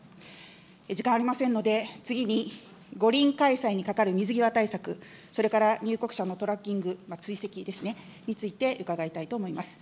時間ありませんので、次に、五輪開催にかかる水際対策、それから入国者のトラッキング、追跡ですね、について伺いたいと思います。